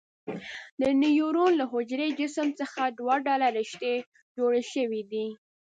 د نیورون له حجروي جسم څخه دوه ډوله رشتې جوړې شوي دي.